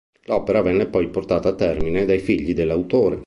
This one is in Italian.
L'opera venne poi portata a termine dai figli dell'autore.